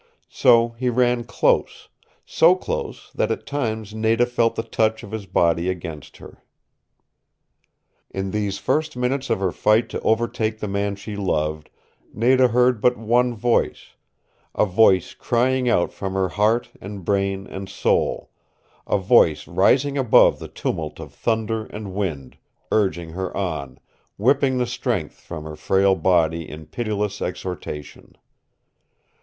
So he ran close so close that at times Nada felt the touch of his body against her. In these first minutes of her fight to overtake the man she loved Nada heard but one voice a voice crying out from her heart and brain and soul, a voice rising above the tumult of thunder and wind, urging her on, whipping the strength from her frail body in pitiless exhortation.